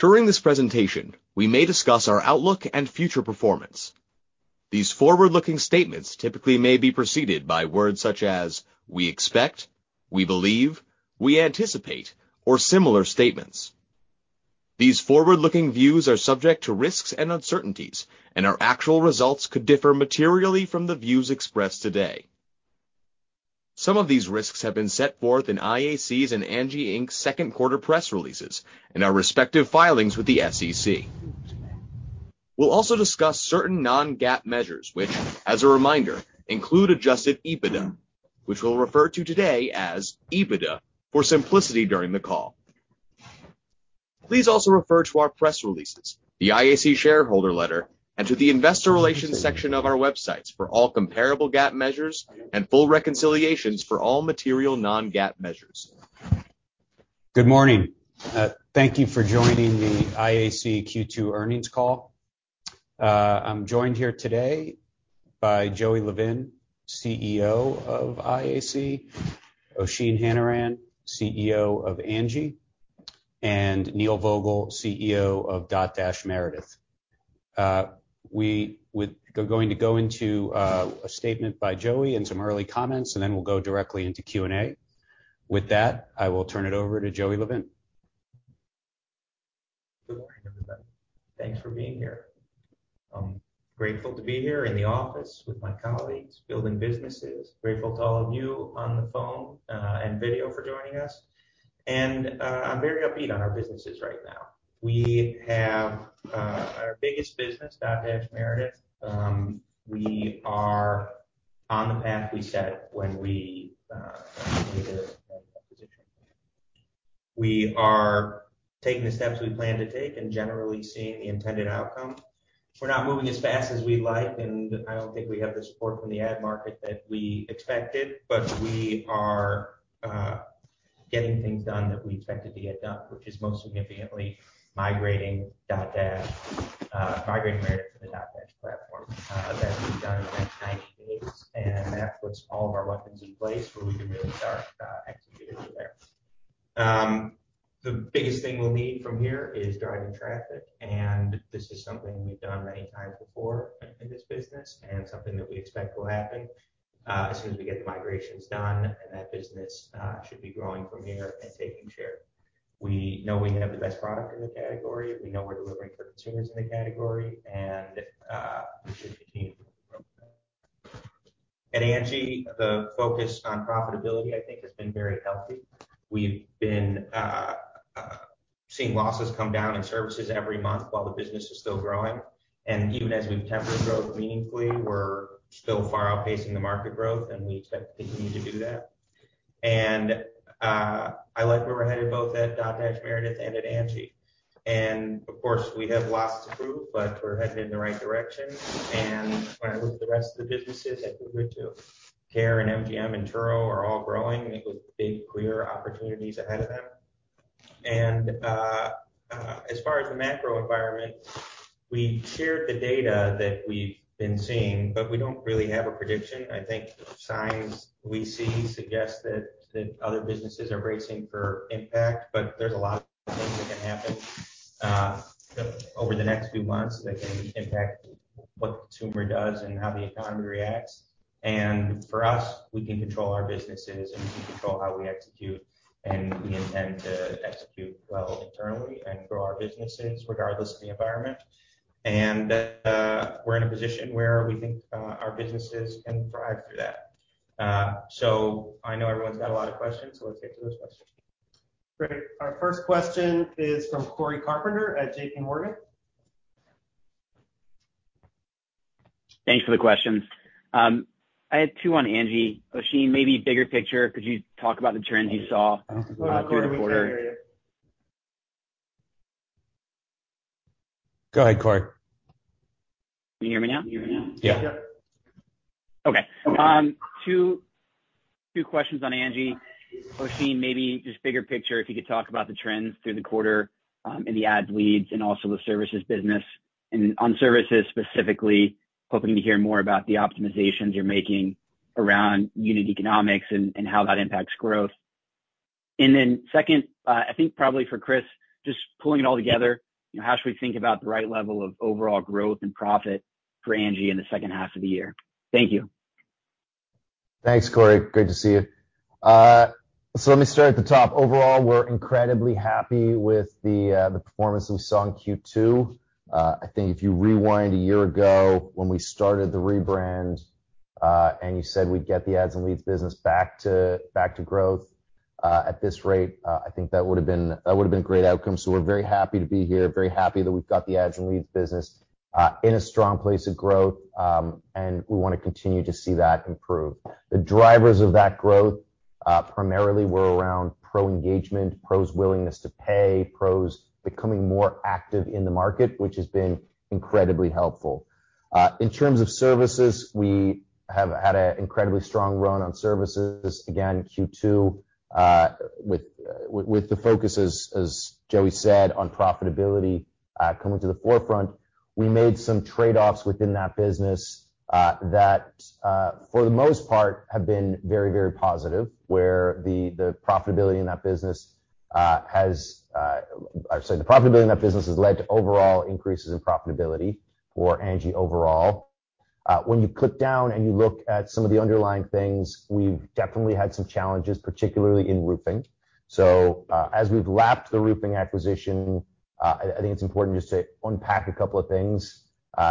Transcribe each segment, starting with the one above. During this presentation, we may discuss our outlook and future performance. These forward-looking statements typically may be preceded by words such as "we expect", "we believe", "we anticipate", or similar statements. These forward-looking views are subject to risks and uncertainties, and our actual results could differ materially from the views expressed today. Some of these risks have been set forth in IAC's and Angi Inc.'s 2nd quarter press releases and our respective filings with the SEC. We'll also discuss certain non-GAAP measures, which, as a reminder, include adjusted EBITDA, which we'll refer to today as EBITDA for simplicity during the call. Please also refer to our press releases, the IAC shareholder letter, and to the investor relations section of our websites for all comparable GAAP measures and full reconciliations for all material non-GAAP measures. Good morning. Thank you for joining the IAC Q2 Earnings Call. I'm joined here today by Joey Levin, CEO of IAC, Oisin Hanrahan, CEO of Angi, and Neil Vogel, CEO of Dotdash Meredith. We're going to go into a statement by Joey and some early comments, and then we'll go directly into Q&A. With that, I will turn it over to Joey Levin. Good morning, everybody. Thanks for being here. I'm grateful to be here in the office with my colleagues building businesses. Grateful to all of you on the phone and video for joining us. I'm very upbeat on our businesses right now. We have our biggest business, Dotdash Meredith. We are on the path we set when we made an acquisition. We are taking the steps we plan to take and generally seeing the intended outcome. We're not moving as fast as we'd like, and I don't think we have the support from the ad market that we expected, but we are getting things done that we expected to get done, which is most significantly migrating Meredith to the Dotdash platform. That should be done in the next 90 days, and that puts all of our weapons in place where we can really start executing there. The biggest thing we'll need from here is driving traffic, and this is something we've done many times before in this business and something that we expect will happen as soon as we get the migrations done and that business should be growing from here and taking share. We know we have the best product in the category. We know we're delivering for consumers in the category. We should continue to grow from there. At Angi, the focus on profitability, I think, has been very healthy. We've been seeing losses come down in services every month while the business is still growing. Even as we've tempered growth meaningfully, we're still far outpacing the market growth, and we expect to continue to do that. I like where we're headed both at Dotdash Meredith and at Angi. Of course, we have lots to prove, but we're headed in the right direction. When I look at the rest of the businesses, I feel good too. Care.com and MGM and Turo are all growing, and they've got big, clear opportunities ahead of them. As far as the macro environment, we shared the data that we've been seeing, but we don't really have a prediction. I think signs we see suggest that other businesses are bracing for impact, but there's a lot of things that can happen over the next few months that can impact what the consumer does and how the economy reacts. For us, we can control our businesses, and we can control how we execute, and we intend to execute well internally and grow our businesses regardless of the environment. We're in a position where we think our businesses can thrive through that. I know everyone's got a lot of questions, so let's get to those questions. Great. Our 1st question is from Cory Carpenter at J.P. Morgan. Thanks for the questions. I had two on Angi. Oisin, maybe bigger picture, could you talk about the trends you saw through the quarter? Sorry, Cory, we can't hear you. Go ahead, Cory. Can you hear me now? Yeah. Yeah. Okay. Two questions on Angi. Oisin, maybe just bigger picture, if you could talk about the trends through the quarter in the ad leads and also the services business. On services specifically, hoping to hear more about the optimizations you're making around unit economics and how that impacts growth. Second, I think probably for Chris, just pulling it all together, you know, how should we think about the right level of overall growth and profit for Angi in the 2nd half of the year? Thank you. Thanks, Cory. Good to see you. Let me start at the top. Overall, we're incredibly happy with the performance we saw in Q2. I think if you rewind a year ago when we started the rebrand, and you said we'd get the ads and leads business back to growth, at this rate, I think that would have been a great outcome. We're very happy to be here, very happy that we've got the ads and leads business in a strong place of growth. We wanna continue to see that improve. The drivers of that growth primarily were around pro engagement, pros' willingness to pay, pros becoming more active in the market, which has been incredibly helpful. In terms of services, we have had an incredibly strong run on services. Again, Q2, with the focus as Joey said, on profitability, coming to the forefront. We made some trade-offs within that business that for the most part have been very, very positive, where the profitability in that business, I'd say, has led to overall increases in profitability for Angi overall. When you drill down and you look at some of the underlying things, we've definitely had some challenges, particularly in roofing. As we've lapped the roofing acquisition, I think it's important just to unpack a couple of things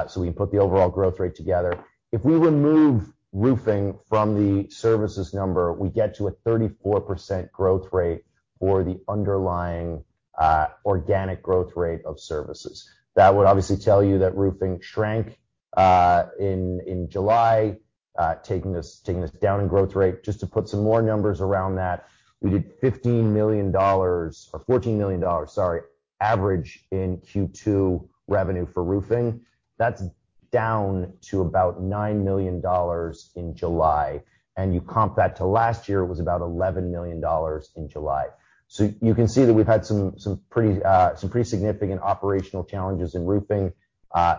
so we can put the overall growth rate together. If we remove roofing from the services number, we get to a 34% growth rate for the underlying organic growth rate of services. That would obviously tell you that roofing shrank in July, taking this down in growth rate. Just to put some more numbers around that, we did $15 million, $14 million, sorry, average in Q2 revenue for roofing. That's down to about $9 million in July, and you comp that to last year, it was about $11 million in July. You can see that we've had some pretty significant operational challenges in roofing.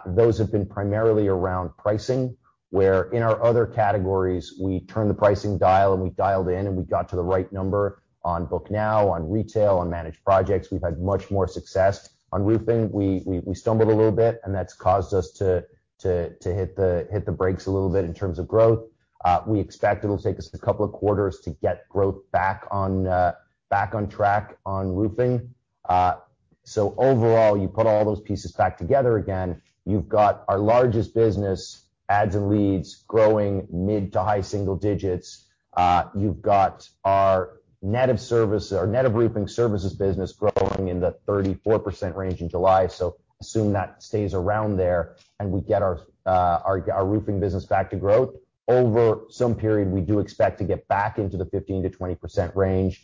Those have been primarily around pricing, where in our other categories, we turn the pricing dial, and we dialed in, and we got to the right number on Book Now, on Retail, on Managed Projects. We've had much more success. On Roofing, we stumbled a little bit, and that's caused us to hit the brakes a little bit in terms of growth. We expect it'll take us a couple of quarters to get growth back on track on Roofing. Overall, you put all those pieces back together again, you've got our largest business, Ads and Leads, growing mid- to high-single-digits. You've got our net of Roofing services business growing in the 34% range in July. Assume that stays around there, and we get our Roofing business back to growth. Over some period, we do expect to get back into the 15%-20% range.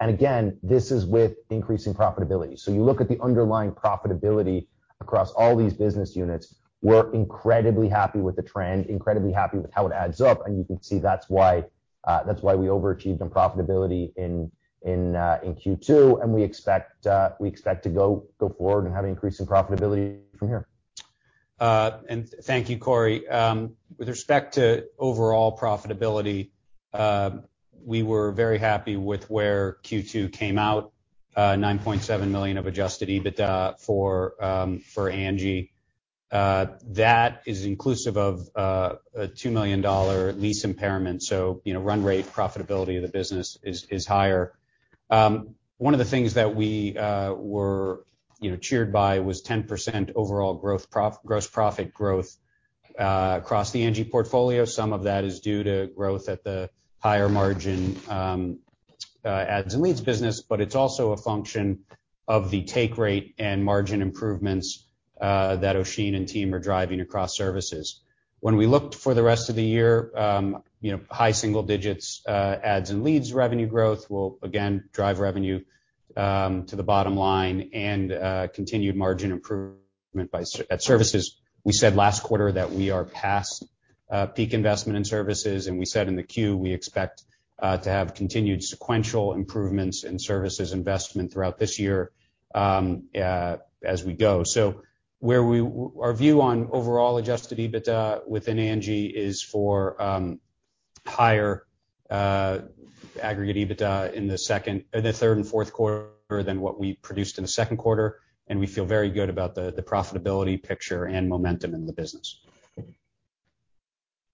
Again, this is with increasing profitability. You look at the underlying profitability across all these business units, we're incredibly happy with the trend, incredibly happy with how it adds up, and you can see that's why we overachieved on profitability in Q2, and we expect to go forward and have an increase in profitability from here. Thank you, Cory. With respect to overall profitability, we were very happy with where Q2 came out, $9.7 million of adjusted EBITDA for Angi. That is inclusive of a $2 million lease impairment, so you know, run rate profitability of the business is higher. One of the things that we were, you know, cheered by was 10% overall gross profit growth across the Angi portfolio. Some of that is due to growth at the higher margin Ads and Leads business, but it's also a function of the take rate and margin improvements that Oisin and team are driving across services. When we looked for the rest of the year, you know, high single digits Ads and Leads revenue growth will again drive revenue to the bottom line and continued margin improvement by services. We said last quarter that we are past peak investment in services, and we said in the Q, we expect to have continued sequential improvements in services investment throughout this year, as we go. Our view on overall adjusted EBITDA within Angi is for higher aggregate EBITDA in the 3rd and 4th quarter than what we produced in the 2nd quarter, and we feel very good about the profitability picture and momentum in the business.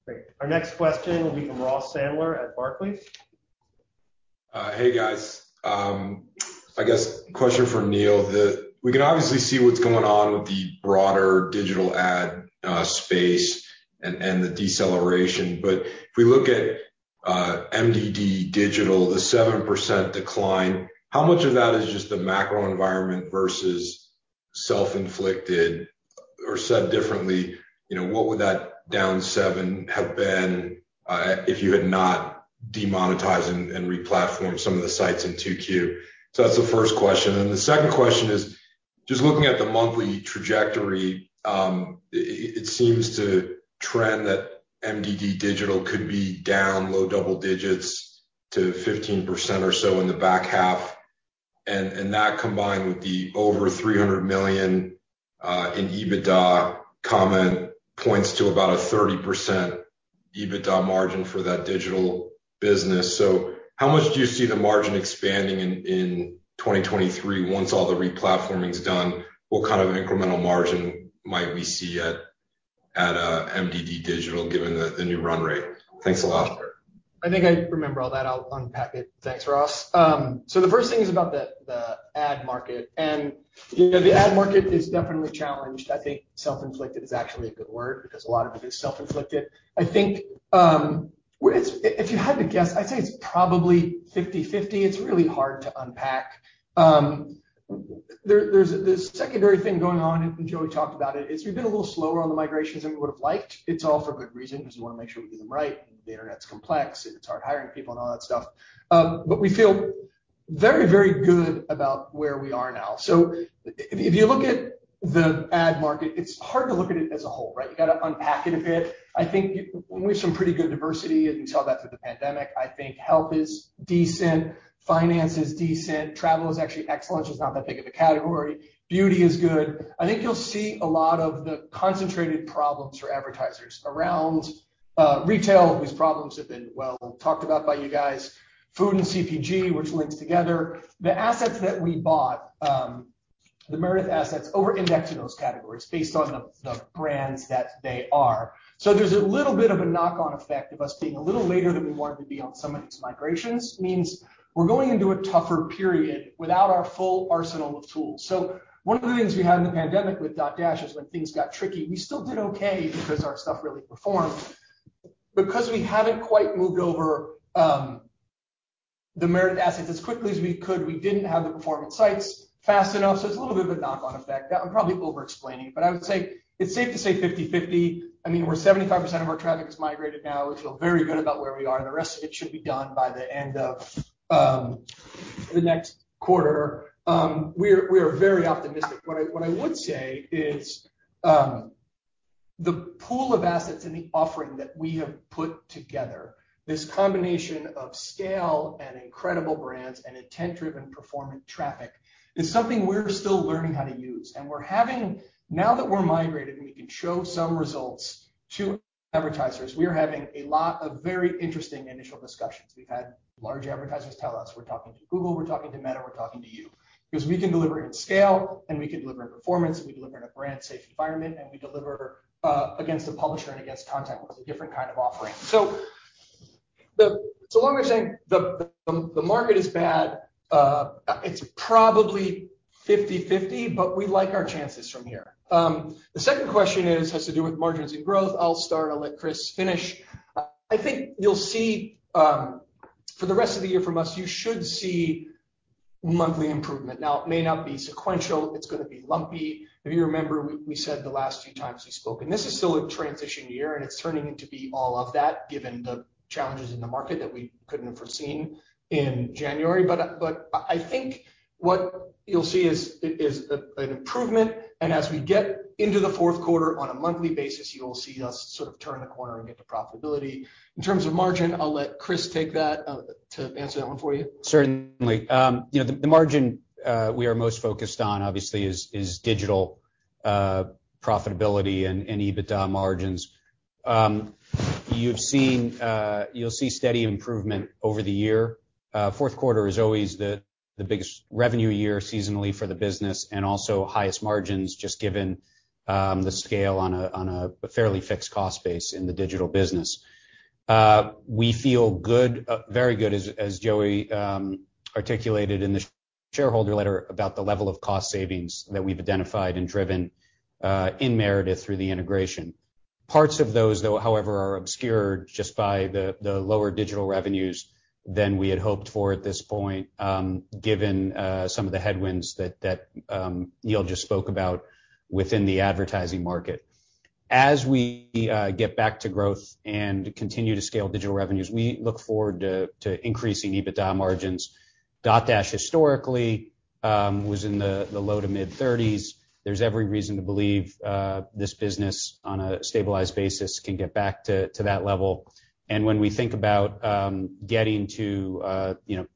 Great. Our next question will be from Ross Sandler at Barclays. Hey, guys. I guess question for Neil. We can obviously see what's going on with the broader digital ad space and the deceleration. But if we look at DDM Digital, the 7% decline, how much of that is just the macro environment versus self-inflicted? Or said differently, you know, what would that down 7% have been, if you had not demonetized and replatformed some of the sites in 2Q? So that's the 1st question. The 2nd question is, just looking at the monthly trajectory, it seems to trend that DDM Digital could be down low double digits to 15% or so in the back half. That combined with the over $300 million in EBITDA comment points to about a 30% EBITDA margin for that digital business. How much do you see the margin expanding in 2023 once all the replatforming is done? What kind of incremental margin might we see at DDM Digital given the new run rate? Thanks a lot. I think I remember all that. I'll unpack it. Thanks, Ross. The 1st thing is about the ad market. You know, the ad market is definitely challenged. I think self-inflicted is actually a good word because a lot of it is self-inflicted. I think. If you had to guess, I'd say it's probably 50/50. It's really hard to unpack. There's this secondary thing going on, and Joey talked about it, is we've been a little slower on the migrations than we would have liked. It's all for good reason because we wanna make sure we do them right. The internet's complex, and it's hard hiring people and all that stuff. We feel very, very good about where we are now. If you look at the ad market, it's hard to look at it as a whole, right? You gotta unpack it a bit. I think we have some pretty good diversity, and we saw that through the pandemic. I think Health is decent, Finance is decent. Travel is actually excellent, just not that big of a category. Beauty is good. I think you'll see a lot of the concentrated problems for advertisers around. Retail, whose problems have been well talked about by you guys, food and CPG, which links together. The assets that we bought, the Meredith assets over-indexed those categories based on the brands that they are. There's a little bit of a knock-on effect of us being a little later than we wanted to be on some of these migrations, means we're going into a tougher period without our full arsenal of tools. One of the things we had in the pandemic with Dotdash is when things got tricky, we still did okay because our stuff really performed. Because we haven't quite moved over, the Meredith assets as quickly as we could, we didn't have the performance sites fast enough, so it's a little bit of a knock-on effect. That I'm probably overexplaining, but I would say it's safe to say 50/50. I mean, 75% of our traffic is migrated now. We feel very good about where we are, and the rest of it should be done by the end of the next quarter. We are very optimistic. What I would say is the pool of assets and the offering that we have put together, this combination of scale and incredible brands and intent-driven performant traffic is something we're still learning how to use. We're having now that we're migrated, and we can show some results to advertisers, we are having a lot of very interesting initial discussions. We've had large advertisers tell us, "We're talking to Google, we're talking to Meta, we're talking to you." Because we can deliver in scale, and we can deliver in performance, and we deliver in a brand safe environment, and we deliver against a publisher and against content with a different kind of offering. Long way of saying the market is bad, it's probably 50/50, but we like our chances from here. The 2nd question has to do with margins and growth. I'll start, I'll let Chris finish. I think you'll see, for the rest of the year from us, you should see monthly improvement. Now, it may not be sequential, it's gonna be lumpy. If you remember, we said the last few times we've spoken, this is still a transition year, and it's turning into be all of that given the challenges in the market that we couldn't have foreseen in January. I think what you'll see is an improvement, and as we get into the 4th quarter on a monthly basis, you'll see us sort of turn the corner and get to profitability. In terms of margin, I'll let Chris take that to answer that one for you. Certainly. You know, the margin we are most focused on obviously is digital profitability and EBITDA margins. You've seen, you'll see steady improvement over the year. Fourth quarter is always the biggest revenue year seasonally for the business and also highest margins just given the scale on a fairly fixed cost base in the digital business. We feel good, very good as Joey articulated in the shareholder letter about the level of cost savings that we've identified and driven in Meredith through the integration. Parts of those, though, however, are obscured just by the lower digital revenues than we had hoped for at this point, given some of the headwinds that Neil just spoke about within the advertising market. As we get back to growth and continue to scale digital revenues, we look forward to increasing EBITDA margins. Dotdash historically was in the low- to mid-30s. There's every reason to believe this business on a stabilized basis can get back to that level. When we think about getting to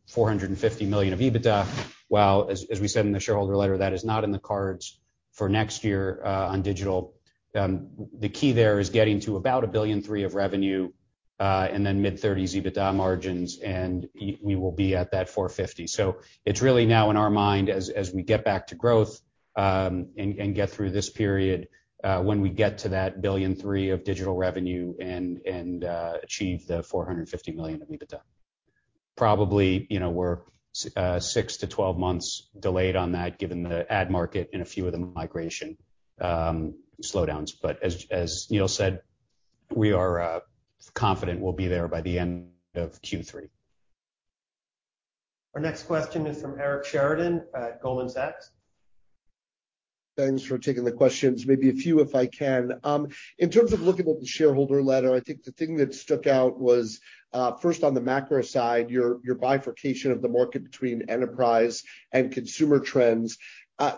$450 million of EBITDA, while, as we said in the shareholder letter, that is not in the cards for next year on digital, the key there is getting to about $1.3 billion of revenue and then mid-30s EBITDA margins, and we will be at that $450 million. It's really now in our mind as we get back to growth and get through this period when we get to that $1.3 billion of digital revenue and achieve the $450 million of EBITDA. Probably, you know, we're six to 12 months delayed on that given the ad market and a few of the migration slowdowns. As Neil said, we are confident we'll be there by the end of Q3. Our next question is from Eric Sheridan at Goldman Sachs. Thanks for taking the questions. Maybe a few if I can. In terms of looking at the shareholder letter, I think the thing that stuck out was 1st on the macro side, your bifurcation of the market between enterprise and consumer trends.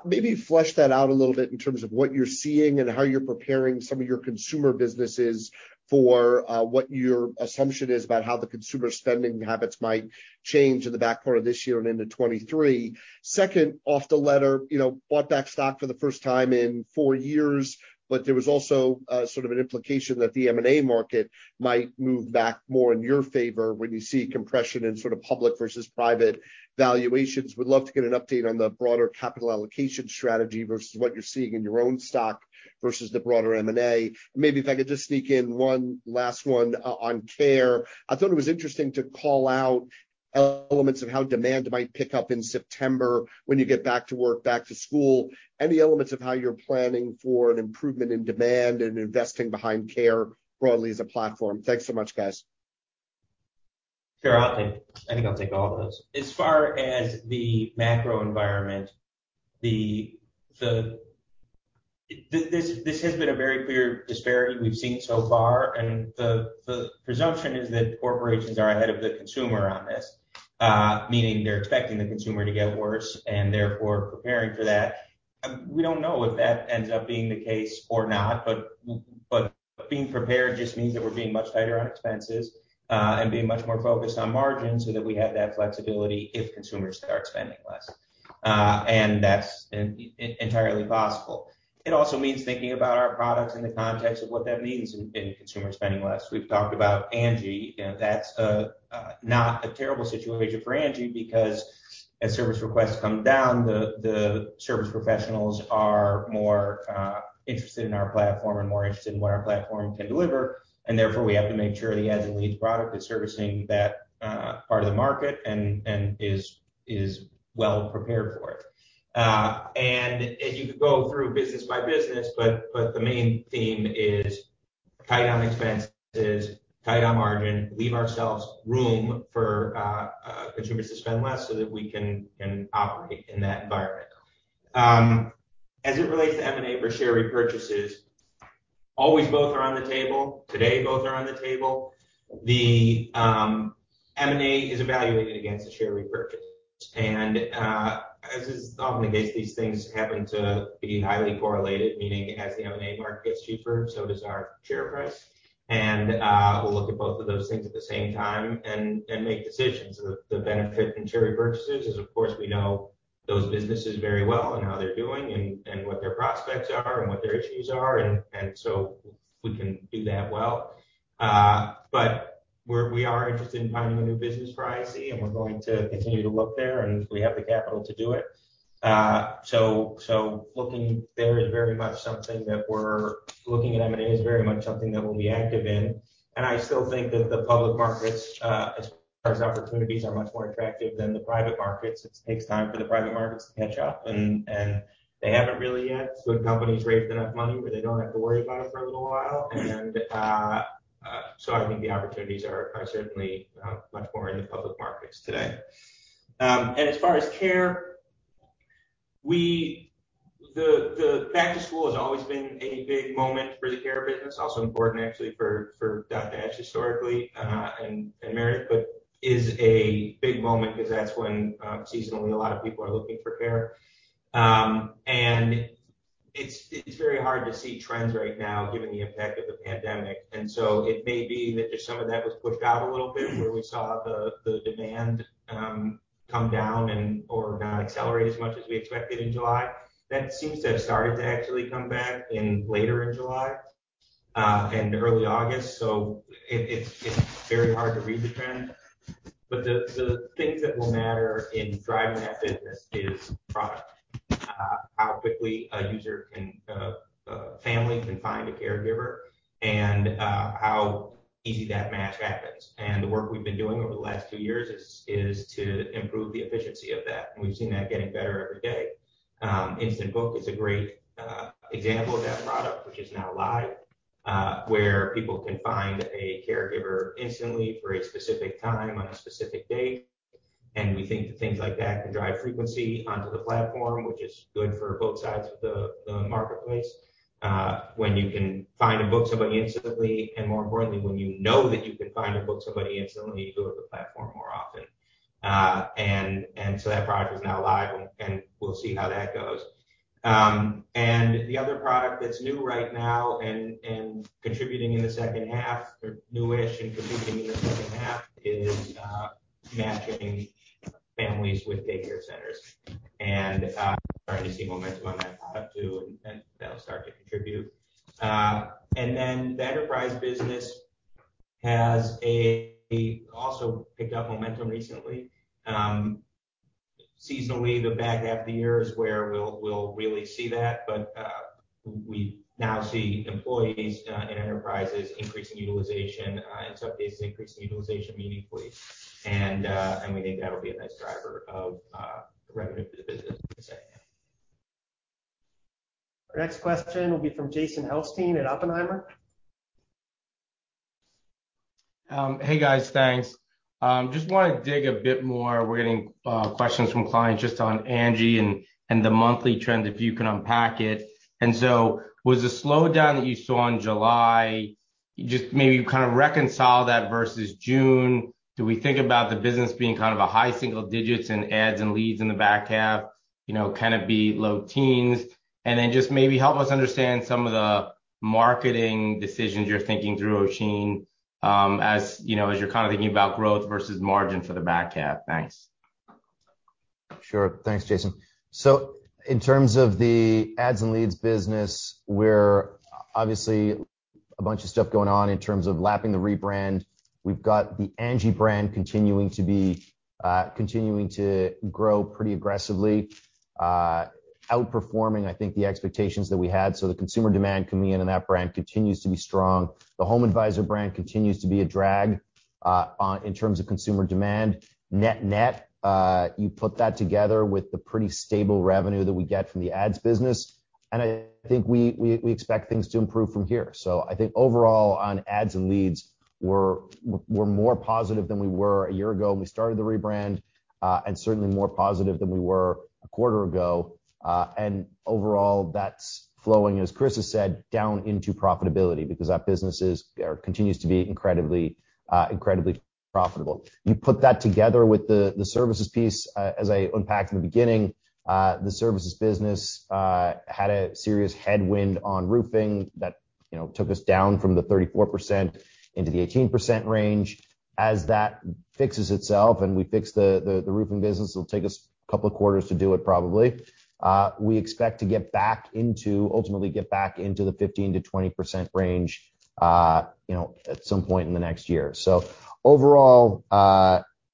Maybe flesh that out a little bit in terms of what you're seeing and how you're preparing some of your consumer businesses for what your assumption is about how the consumer spending habits might change in the back part of this year and into 2023. Second, off the letter, you know, bought back stock for the 1st time in four years, but there was also sort of an implication that the M&A market might move back more in your favor when you see compression in sort of public versus private valuations. Would love to get an update on the broader capital allocation strategy versus what you're seeing in your own stock versus the broader M&A. Maybe if I could just sneak in one last one on Care. I thought it was interesting to call out elements of how demand might pick up in September when you get back to work, back to school. Any elements of how you're planning for an improvement in demand and investing behind Care broadly as a platform. Thanks so much, guys. Sure, I think I'll take all of those. As far as the macro environment, this has been a very clear disparity we've seen so far, and the presumption is that corporations are ahead of the consumer on this. Meaning they're expecting the consumer to get worse and therefore preparing for that. We don't know if that ends up being the case or not, but being prepared just means that we're being much tighter on expenses, and being much more focused on margin so that we have that flexibility if consumers start spending less. And that's entirely possible. It also means thinking about our products in the context of what that means in consumer spending less. We've talked about Angi, and that's not a terrible situation for Angi because as service requests come down, the service professionals are more interested in our platform and more interested in what our platform can deliver, and therefore, we have to make sure the ads and leads product is servicing that part of the market and is well prepared for it. You could go through business by business, but the main theme is tie down expenses, tie down margin, leave ourselves room for consumers to spend less so that we can operate in that environment. As it relates to M&A for share repurchases, always both are on the table. Today, both are on the table. M&A is evaluated against the share repurchase. as is often the case, these things happen to be highly correlated, meaning as the M&A market gets cheaper, so does our share price. We'll look at both of those things at the same time and make decisions. The benefit in share repurchases is, of course, we know those businesses very well and how they're doing and what their prospects are and what their issues are and so we can do that well. We are interested in finding a new business for IAC, and we're going to continue to look there, and we have the capital to do it. Looking there is very much something that we're looking at. M&A is very much something that we'll be active in. I still think that the public markets, as far as opportunities, are much more attractive than the private markets. It takes time for the private markets to catch up and they haven't really yet. The company's raised enough money where they don't have to worry about it for a little while. I think the opportunities are certainly much more in the public markets today. As far as Care, the back to school has always been a big moment for the Care business. Also important actually for Dotdash historically and Meredith. It is a big moment 'cause that's when, seasonally a lot of people are looking for Care. It is very hard to see trends right now given the effect of the pandemic. It may be that just some of that was pushed out a little bit where we saw the demand come down and/or not accelerate as much as we expected in July. That seems to have started to actually come back in later in July and early August. It's very hard to read the trend. The things that will matter in driving that business is product. How quickly a family can find a caregiver and how easy that match happens. The work we've been doing over the last two years is to improve the efficiency of that, and we've seen that getting better every day. Instant Book is a great example of that product, which is now live, where people can find a caregiver instantly for a specific time on a specific date. We think that things like that can drive frequency onto the platform, which is good for both sides of the marketplace. When you can find and book somebody instantly, and more importantly, when you know that you can find and book somebody instantly, you go to the platform more often. So that product is now live, and we'll see how that goes. The other product that's new right now and contributing in the 2nd half, or new-ish and contributing in the 2nd half is matching families with daycare centers. Starting to see momentum on that product too, and that'll start to contribute. The enterprise business also picked up momentum recently. Seasonally, the back half of the year is where we'll really see that, but we now see employees in enterprises increasing utilization, in some cases increasing utilization meaningfully. We think that'll be a nice driver of the revenue for the business in the 2nd half. Our next question will be from Jason Helfstein at Oppenheimer & Co. Hey, guys. Thanks. Just wanna dig a bit more. We're getting questions from clients just on Angi and the monthly trend, if you can unpack it. Was the slowdown that you saw in July just maybe kind of reconcile that versus June? Do we think about the business being kind of a high single digits in ads and leads in the back half, you know, kind of be low teens? Just maybe help us understand some of the marketing decisions you're thinking through, Oisin, as you know, as you're kind of thinking about growth versus margin for the back half. Thanks. Sure. Thanks, Jason. In terms of the ads and leads business, we're obviously a bunch of stuff going on in terms of lapping the rebrand. We've got the Angi brand continuing to be continuing to grow pretty aggressively, outperforming, I think, the expectations that we had. The consumer demand coming in on that brand continues to be strong. The HomeAdvisor brand continues to be a drag on in terms of consumer demand. Net, net, you put that together with the pretty stable revenue that we get from the ads business, and I think we expect things to improve from here. I think overall on ads and leads, we're more positive than we were a year ago when we started the rebrand, and certainly more positive than we were a quarter ago. Overall that's flowing, as Chris has said, down into profitability because that business is or continues to be incredibly profitable. You put that together with the services piece, as I unpacked in the beginning, the services business had a serious headwind on roofing that, you know, took us down from the 34% into the 18% range. As that fixes itself and we fix the roofing business, it'll take us a couple of quarters to do it probably, we expect to ultimately get back into the 15%-20% range, you know, at some point in the next year. Overall,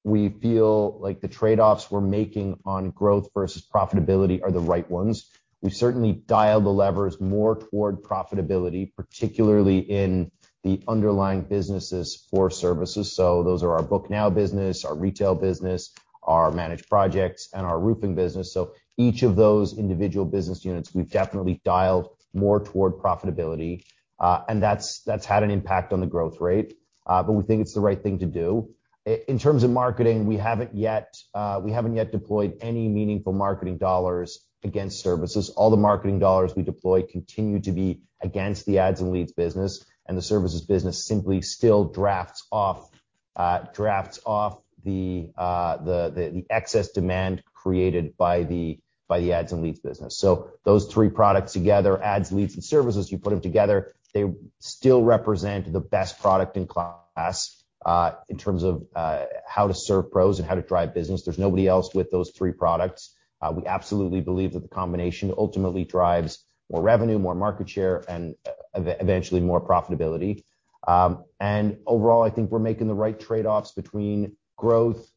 we feel like the trade-offs we're making on growth versus profitability are the right ones. We certainly dial the levers more toward profitability, particularly in the underlying businesses for services. Those are our Book Now business, our retail business, our Managed Projects, and our roofing business. Each of those individual business units, we've definitely dialed more toward profitability, and that's had an impact on the growth rate. We think it's the right thing to do. In terms of marketing, we haven't yet deployed any meaningful marketing dollars against services. All the marketing dollars we deploy continue to be against the ads and leads business, and the services business simply still drafts off the excess demand created by the ads and leads business. Those three products together, ads, leads, and services, you put them together, they still represent the best product in class, in terms of how to serve pros and how to drive business. There's nobody else with those three products. We absolutely believe that the combination ultimately drives more revenue, more market share, and eventually more profitability. Overall, I think we're making the right trade-offs between growth and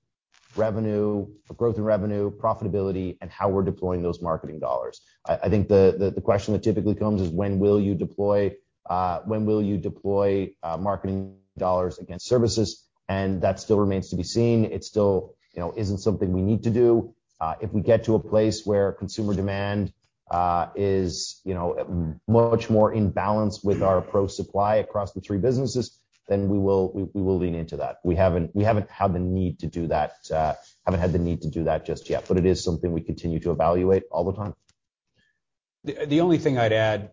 revenue, profitability, and how we're deploying those marketing dollars. I think the question that typically comes is when will you deploy marketing dollars against services? That still remains to be seen. It still, you know, isn't something we need to do. If we get to a place where consumer demand is, you know, much more in balance with our pro supply across the three businesses, then we will lean into that. We haven't had the need to do that just yet, but it is something we continue to evaluate all the time. The only thing I'd add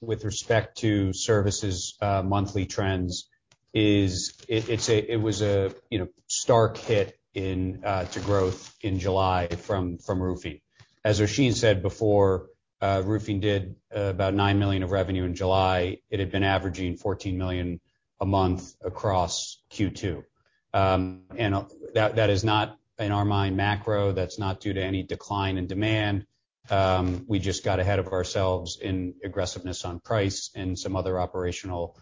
with respect to services monthly trends is it was a you know stark hit to growth in July from roofing. As Oisin said before, roofing did about $9 million of revenue in July. It had been averaging $14 million a month across Q2. And that is not, in our mind, macro. That's not due to any decline in demand. We just got ahead of ourselves in aggressiveness on price and some other operational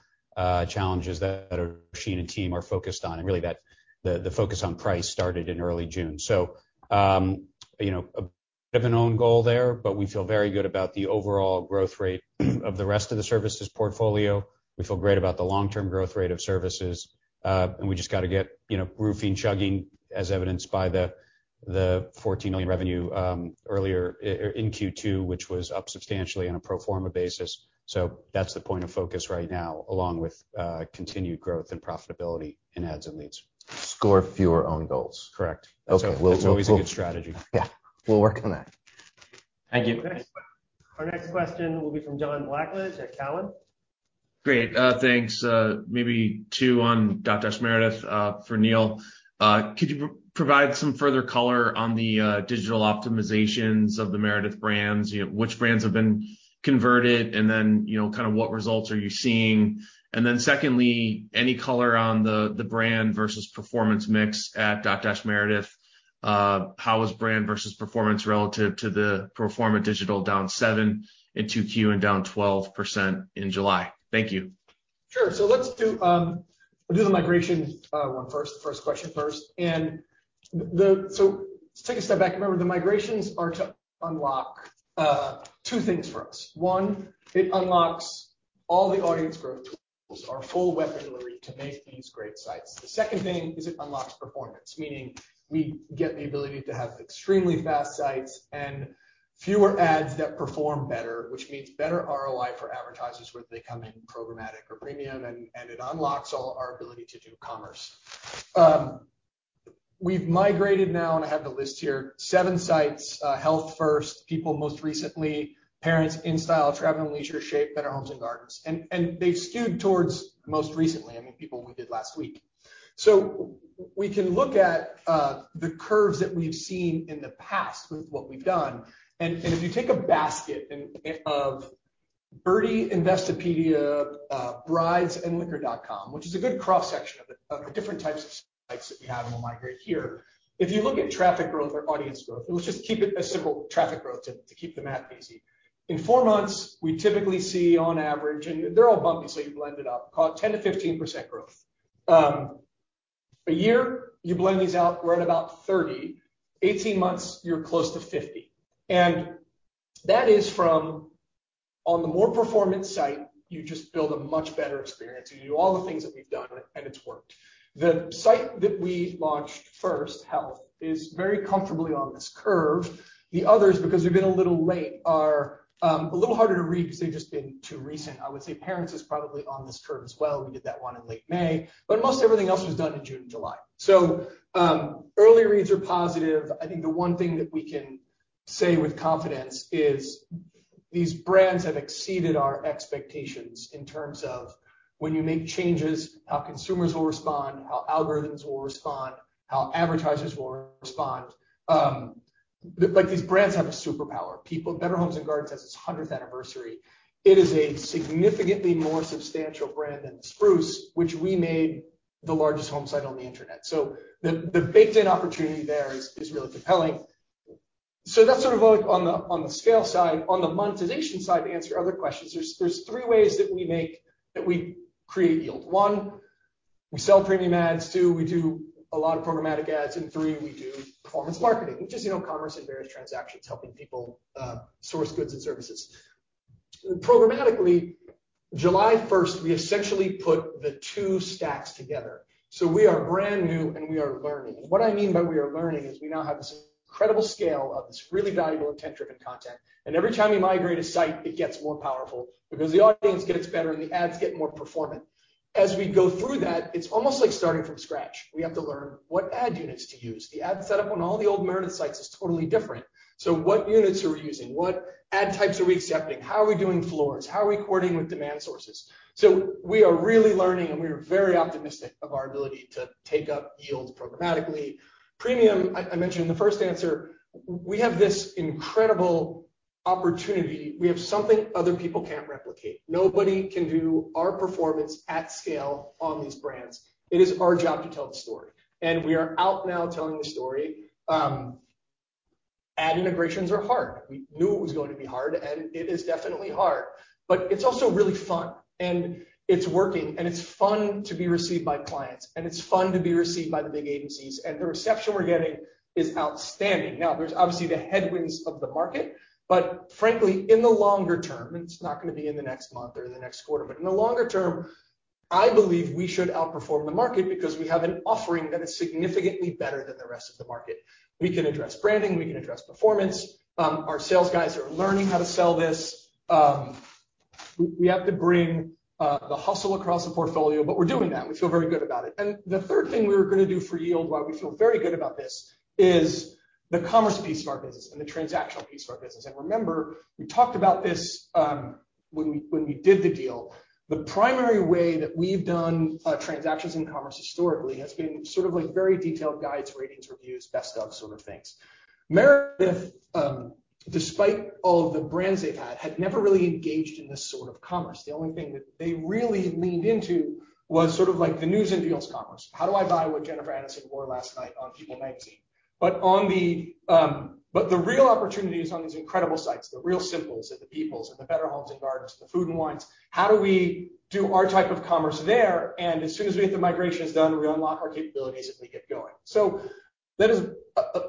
challenges that Oisin and team are focused on. Really, that the focus on price started in early June. You know, a bit of an own goal there, but we feel very good about the overall growth rate of the rest of the services portfolio. We feel great about the long-term growth rate of services. We just got to get, you know, roofing chugging as evidenced by the $14 million revenue earlier in Q2, which was up substantially on a pro forma basis. That's the point of focus right now, along with continued growth and profitability in ads and leads. Score fewer own goals. Correct. Okay. We'll It's always a good strategy. Yeah, we'll work on that. Thank you. Our next question will be from John Blackledge at TD Cowen. Great. Thanks. Maybe two on Dotdash Meredith for Neil. Could you provide some further color on the digital optimizations of the Meredith brands? You know, which brands have been converted, and then, you know, kind of what results are you seeing? And then secondly, any color on the brand versus performance mix at Dotdash Meredith. How is brand versus performance relative to the pro forma digital down 7% in 2Q and down 12% in July? Thank you. Sure. Let's do, I'll do the migration one 1st. First question 1st. Let's take a step back. Remember, the migrations are to unlock two things for us. One, it unlocks all the audience growth tools, our full weaponry to make these great sites. The second thing is it unlocks performance, meaning we get the ability to have extremely fast sites and fewer ads that perform better, which means better ROI for advertisers, whether they come in programmatic or premium, and it unlocks all our ability to do commerce. We've migrated now, and I have the list here, 7 sites, HealthFirst, People most recently, Parents, InStyle, Travel + Leisure, Shape, Better Homes & Gardens. They've skewed towards most recently. I mean, People we did last week. We can look at the curves that we've seen in the past with what we've done. If you take a basket of Byrdie, Investopedia, Brides, and Liquor.com, which is a good cross-section of the different types of sites that we have and we'll migrate here. If you look at traffic growth or audience growth, let's just keep it a simple traffic growth to keep the math easy. In four months, we typically see on average, and they're all bumpy, so you blend it up, call it 10%-15% growth. A year, you blend these out, we're at about 30%. 18 months, you're close to 50%. That is from on the more performance side, you just build a much better experience. You do all the things that we've done, and it's worked. The site that we launched 1st, Health, is very comfortably on this curve. The others, because they've been a little late, are a little harder to read because they've just been too recent. I would say Parents is probably on this curve as well. We did that one in late May, but most everything else was done in June and July. Early reads are positive. I think the one thing that we can say with confidence is these brands have exceeded our expectations in terms of when you make changes, how consumers will respond, how algorithms will respond, how advertisers will respond. Like these brands have a superpower. People: Better Homes & Gardens has its 100th anniversary. It is a significantly more substantial brand than Spruce, which we made the largest home site on the Internet. The baked-in opportunity there is really compelling. That's sort of like on the scale side. On the monetization side, to answer your other questions, there's three ways that we create yield. One, we sell premium ads. Two, we do a lot of programmatic ads. And three, we do performance marketing, which is, you know, commerce and various transactions, helping people source goods and services. Programmatically, July 1st, we essentially put the two stacks together. We are brand new, and we are learning. What I mean by we are learning is we now have this incredible scale of this really valuable intent-driven content. Every time you migrate a site, it gets more powerful because the audience gets better and the ads get more performant. As we go through that, it's almost like starting from scratch. We have to learn what ad units to use. The ad setup on all the old Meredith sites is totally different. So what units are we using? What ad types are we accepting? How are we doing floors? How are we working with demand sources? So we are really learning, and we are very optimistic of our ability to take up yields programmatically. Premium. I mentioned in the 1st answer, we have this incredible opportunity. We have something other people can't replicate. Nobody can do our performance at scale on these brands. It is our job to tell the story, and we are out now telling the story. Ad integrations are hard. We knew it was going to be hard, and it is definitely hard, but it's also really fun, and it's working, and it's fun to be received by clients, and it's fun to be received by the big agencies. The reception we're getting is outstanding. Now, there's obviously the headwinds of the market. Frankly, in the longer term, and it's not gonna be in the next month or the next quarter, but in the longer term, I believe we should outperform the market because we have an offering that is significantly better than the rest of the market. We can address branding, we can address performance. Our sales guys are learning how to sell this. We have to bring the hustle across the portfolio, but we're doing that and we feel very good about it. The 3rd thing we're gonna do for yield, why we feel very good about this, is the commerce piece of our business and the transactional piece of our business. Remember, we talked about this when we did the deal. The primary way that we've done transactions in commerce historically has been sort of like very detailed guides, ratings, reviews, best of sort of things. Meredith, despite all of the brands they've had never really engaged in this sort of commerce. The only thing that they really leaned into was sort of like the news and deals commerce. How do I buy what Jennifer Aniston wore last night on People Magazine? The real opportunities on these incredible sites, the Real Simple and the People and the Better Homes & Gardens, the Food & Wine, how do we do our type of commerce there? As soon as we get the migrations done, we unlock our capabilities, and we get going. That is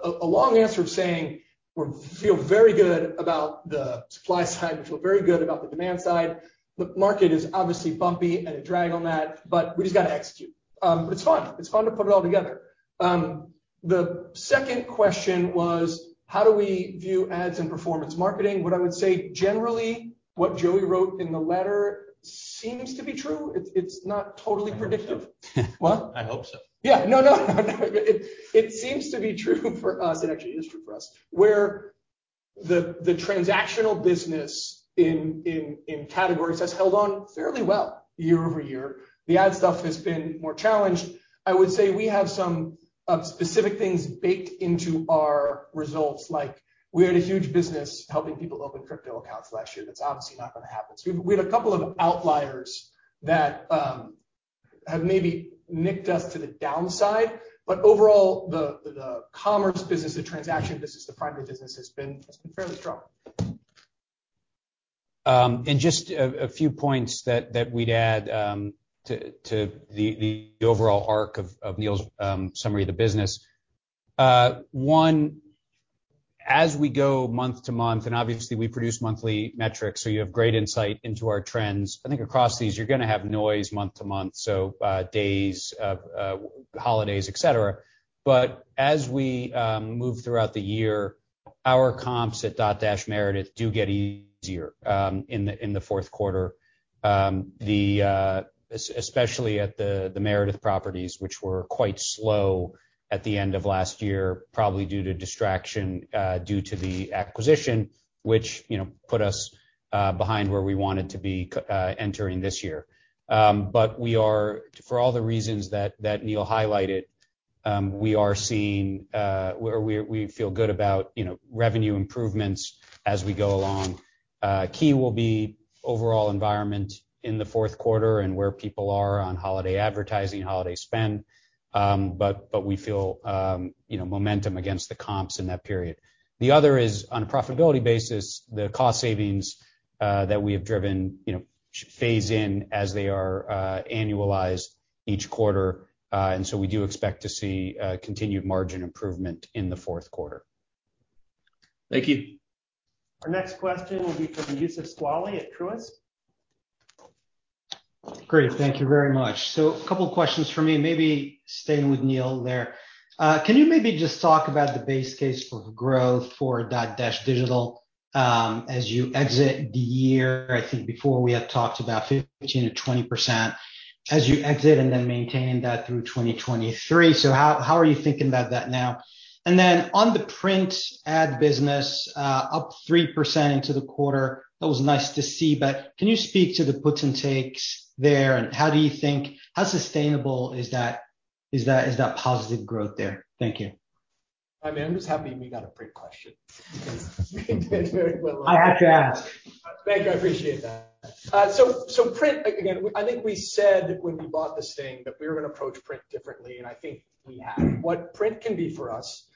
a long answer of saying we feel very good about the supply side. We feel very good about the demand side. The market is obviously bumpy and a drag on that, but we just gotta execute. It's fun. It's fun to put it all together. The 2nd question was, how do we view ads and performance marketing? What I would say generally, what Joey wrote in the letter seems to be true. It's not totally predictive. What? I hope so. Yeah. No, no. It seems to be true for us. It actually is true for us, where the transactional business in categories has held on fairly well year-over-year. The ad stuff has been more challenged. I would say we have some specific things baked into our results. Like, we had a huge business helping people open crypto accounts last year. That's obviously not gonna happen. We had a couple of outliers that have maybe nicked us to the downside. Overall, the commerce business, the transaction business, the primary business has been fairly strong. Just a few points that we'd add to the overall arc of Neil's summary of the business. One, as we go month to month, and obviously we produce monthly metrics, so you have great insight into our trends. I think across these, you're gonna have noise month to month, so, days off, holidays, etc. As we move throughout the year, our comps at Dotdash Meredith do get easier in the 4th quarter. Especially at the Meredith properties, which were quite slow at the end of last year, probably due to distraction due to the acquisition, which, you know, put us behind where we wanted to be entering this year. But we are... For all the reasons that Neil highlighted, we feel good about, you know, revenue improvements as we go along. The key will be overall environment in the 4th quarter and where people are on holiday advertising, holiday spend. But we feel, you know, momentum against the comps in that period. The other is, on a profitability basis, the cost savings that we have driven, you know, phase in as they are, annualized each quarter. We do expect to see continued margin improvement in the 4th quarter. Thank you. Our next question will be from Youssef Squali at Truist Securities. Great. Thank you very much. A couple questions for me, maybe staying with Neil there. Can you maybe just talk about the base case for growth for Dotdash Digital as you exit the year? I think before we had talked about 15%-20% as you exit and then maintaining that through 2023. How are you thinking about that now? And then on the print ad business, up 3% in the quarter. That was nice to see, but can you speak to the puts and takes there? And how sustainable is that? Is that positive growth there? Thank you. I mean, I'm just happy we got a print question because we did very well. Thank you. I appreciate that. Print, I think we said when we bought this thing that we were gonna approach print differently, and I think we have. What print can be for us,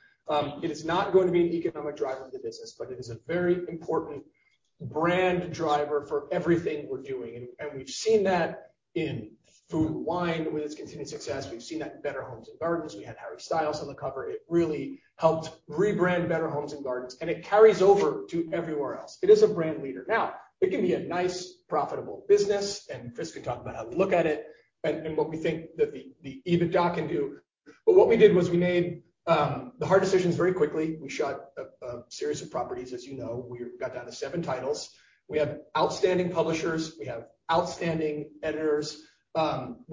it is not going to be an economic driver of the business, but it is a very important brand driver for everything we're doing. We've seen that in Food & Wine with its continued success. We've seen that in Better Homes & Gardens. We had Harry Styles on the cover. It really helped rebrand Better Homes & Gardens, and it carries over to everywhere else. It is a brand leader. Now, it can be a nice, profitable business, and Chris can talk about how to look at it and what we think that the EBITDA can do. What we did was we made the hard decisions very quickly. We shut a series of properties, as you know. We got down to seven titles. We have outstanding publishers. We have outstanding editors.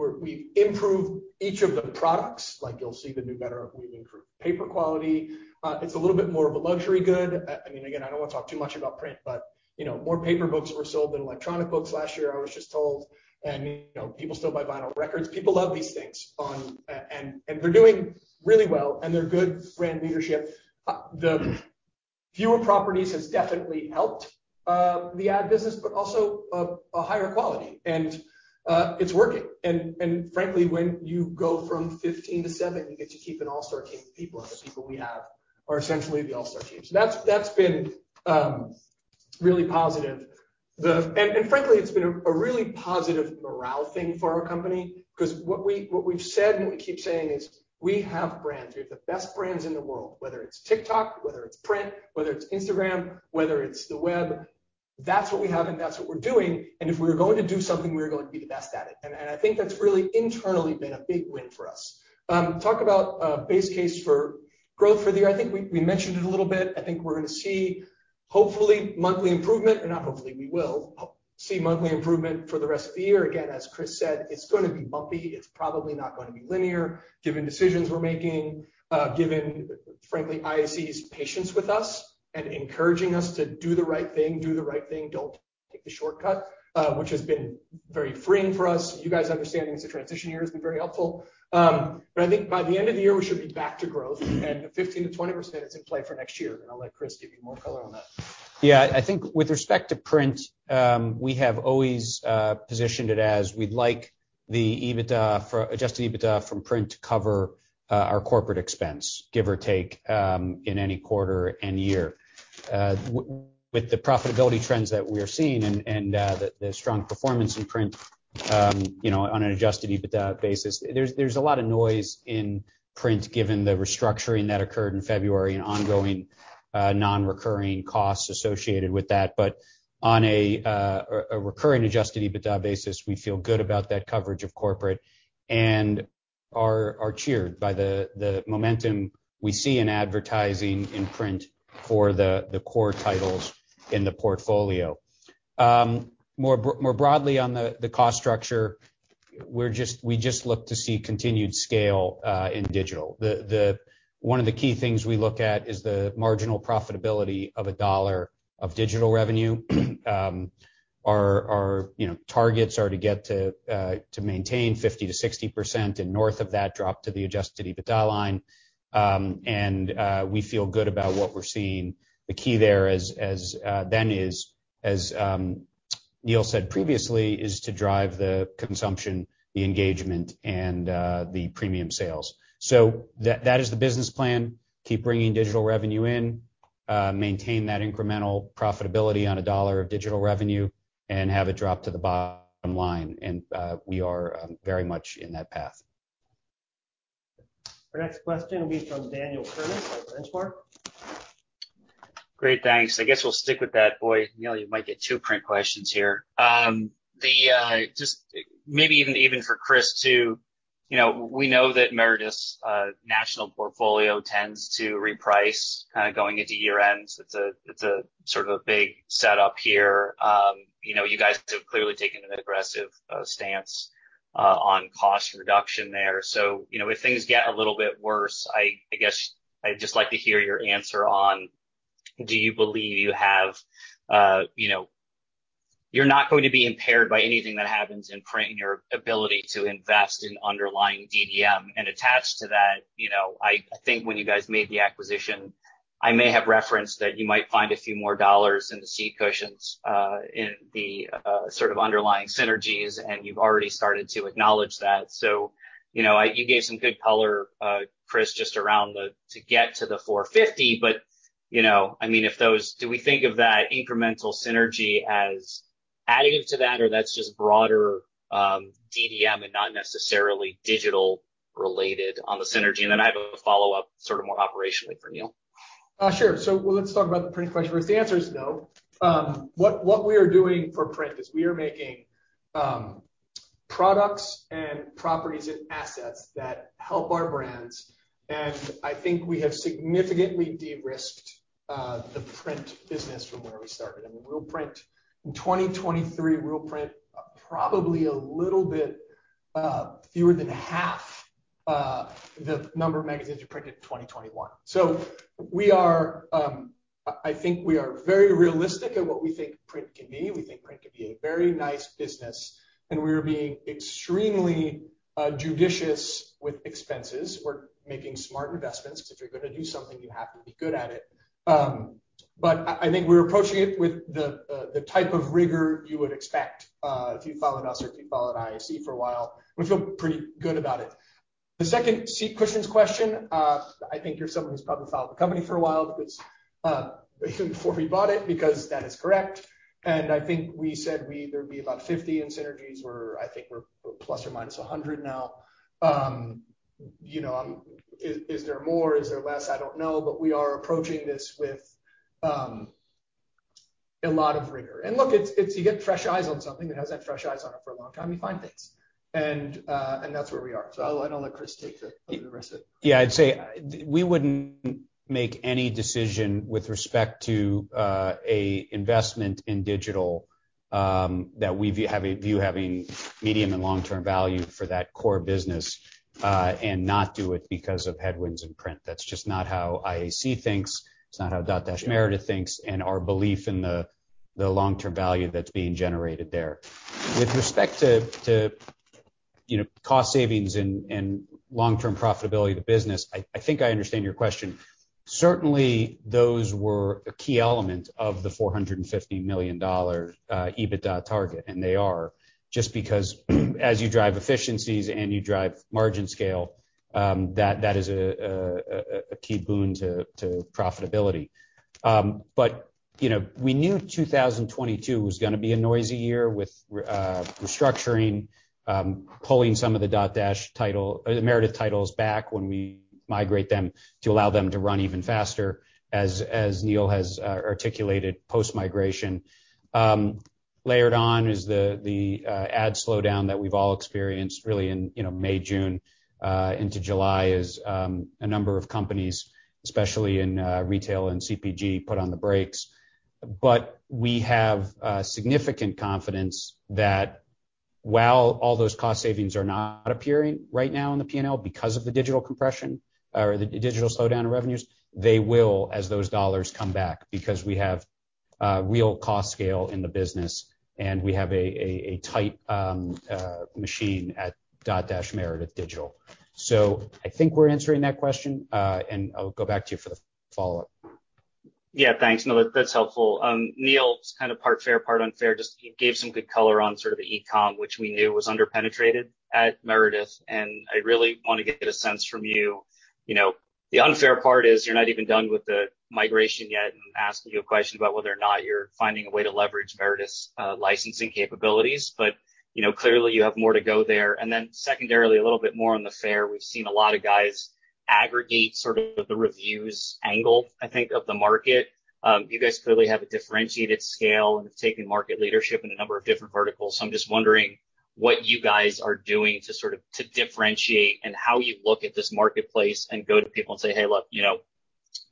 We've improved each of the products. Like you'll see the new Better, we've improved paper quality. It's a little bit more of a luxury good. I mean, again, I don't wanna talk too much about print, but you know, more paper books were sold than electronic books last year, I was just told. You know, people still buy vinyl records. People love these things, and they're doing really well, and they're good brand leadership. The fewer properties has definitely helped the ad business, but also a higher quality. It's working. Frankly, when you go from 15 to seven, you get to keep an all-star team of people, and the people we have are essentially the all-star team. That's been really positive. Frankly, it's been a really positive morale thing for our company 'cause what we've said and what we keep saying is we have brands. We have the best brands in the world, whether it's TikTok, whether it's print, whether it's Instagram, whether it's the web. That's what we have and that's what we're doing. If we're going to do something, we're going to be the best at it. I think that's really internally been a big win for us. Talk about base case for growth for the year. I think we mentioned it a little bit. I think we're gonna see hopefully monthly improvement. We will see monthly improvement for the rest of the year. Again, as Chris said, it's gonna be bumpy. It's probably not gonna be linear given decisions we're making, given frankly, IAC's patience with us and encouraging us to do the right thing, don't take the shortcut, which has been very freeing for us. You guys understanding it's a transition year has been very helpful. But I think by the end of the year, we should be back to growth and 15%-20% is in play for next year. I'll let Chris give you more color on that. Yeah. I think with respect to print, we have always positioned it as we'd like the adjusted EBITDA from print to cover our corporate expense, give or take, in any quarter and year. With the profitability trends that we are seeing and the strong performance in print, you know, on an adjusted EBITDA basis, there's a lot of noise in print given the restructuring that occurred in February and ongoing non-recurring costs associated with that. On a recurring adjusted EBITDA basis, we feel good about that coverage of corporate and are cheered by the momentum we see in advertising in print for the core titles in the portfolio. More broadly on the cost structure, we just look to see continued scale in digital. One of the key things we look at is the marginal profitability of a dollar of digital revenue. Our you know targets are to get to to maintain 50%-60%, and north of that drop to the adjusted EBITDA line. We feel good about what we're seeing. The key there is, as Neil said previously, is to drive the consumption, the engagement and the premium sales. That is the business plan. Keep bringing digital revenue in, maintain that incremental profitability on a dollar of digital revenue and have it drop to the bottom line. We are very much in that path. Our next question will be from Daniel Kurnos at The Benchmark Company. Great, thanks. I guess we'll stick with that. Boy, Neil, you might get two print questions here. Just maybe even for Chris too, you know, we know that Meredith's national portfolio tends to reprice kinda going into year-end. It's a sort of a big set up here. You know, you guys have clearly taken an aggressive stance on cost reduction there. You know, if things get a little bit worse, I guess I'd just like to hear your answer on do you believe you have you're not going to be impaired by anything that happens in print in your ability to invest in underlying DDM? Attached to that, you know, I think when you guys made the acquisition, I may have referenced that you might find a few more dollars in the seat cushions, in the sort of underlying synergies, and you've already started to acknowledge that. You know, you gave some good color, Chris, just around to get to the $450. You know, I mean, if those do we think of that incremental synergy as additive to that, or that's just broader DDM and not necessarily digital related on the synergy? Then I have a follow-up, sort of more operationally for Neil. Sure. Let's talk about the print question 1st. The answer is no. What we are doing for print is we are making products and properties and assets that help our brands, and I think we have significantly de-risked the print business from where we started. I mean, in 2023, we'll print probably a little bit fewer than half the number of magazines we printed in 2021. I think we are very realistic of what we think print can be. We think print can be a very nice business, and we are being extremely judicious with expenses. We're making smart investments, 'cause if you're gonna do something, you have to be good at it. I think we're approaching it with the type of rigor you would expect if you followed us or if you followed IAC for a while. We feel pretty good about it. The 2nd Christian's question, I think you're someone who's probably followed the company for a while because even before we bought it, because that is correct. I think we said we either be about $50 in synergies or I think we're ± $100 now. You know, is there more? Is there less? I don't know, but we are approaching this with a lot of rigor. Look, it's. You get fresh eyes on something that hasn't had fresh eyes on it for a long time, you find things. And that's where we are. I'll let Chris take the rest of it. Yeah, I'd say we wouldn't make any decision with respect to a investment in digital that we have a view having medium and long-term value for that core business and not do it because of headwinds in print. That's just not how IAC thinks. It's not how Dotdash Meredith thinks, and our belief in the long-term value that's being generated there. With respect to you know, cost savings and long-term profitability of the business, I think I understand your question. Certainly, those were a key element of the $450 million EBITDA target, and they are. Just because as you drive efficiencies and you drive margin scale, that is a key boon to profitability. You know, we knew 2022 was gonna be a noisy year with restructuring, pulling some of the Dotdash titles, the Meredith titles back when we migrate them to allow them to run even faster, as Neil has articulated post-migration. Layered on is the ad slowdown that we've all experienced really in, you know, May, June into July as a number of companies, especially in retail and CPG, put on the brakes. We have significant confidence that while all those cost savings are not appearing right now in the P&L because of the digital compression or the digital slowdown in revenues, they will as those dollars come back because we have real cost scale in the business, and we have a tight machine at Dotdash Meredith Digital. I think we're answering that question, and I'll go back to you for the follow-up. Yeah. Thanks. No, that's helpful. Neil, kind of part fair, part unfair, just you gave some good color on sort of the e-com, which we knew was under-penetrated at Meredith, and I really wanna get a sense from you. You know, the unfair part is you're not even done with the migration yet, and I'm asking you a question about whether or not you're finding a way to leverage Meredith's licensing capabilities. You know, clearly you have more to go there. Secondarily, a little bit more on the fair. We've seen a lot of guys aggregate sort of the reviews angle, I think, of the market. You guys clearly have a differentiated scale and have taken market leadership in a number of different verticals. I'm just wondering what you guys are doing to sort of, to differentiate and how you look at this marketplace and go to people and say, "Hey, look, you know,